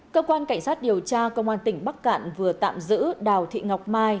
cơ quan cảnh sát điều tra công an tỉnh bắc cạn vừa tạm giữ đào thị ngọc mai